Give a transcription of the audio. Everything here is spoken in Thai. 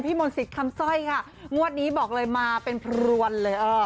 พี่มนต์ศิษย์คำสร้อยค่ะงวดนี้บอกเลยมาเป็นพรวนเลย